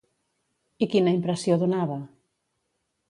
I quina impressió donava?